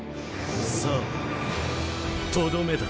さぁとどめだ。